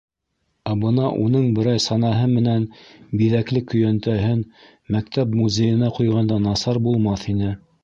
Ә бына уның берәй санаһы менән биҙәкле көйәнтәһен мәктәп музейына ҡуйғанда насар булмаҫ ине...